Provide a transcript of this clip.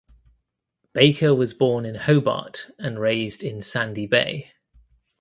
Baker was born in Hobart and raised in Sandy Bay.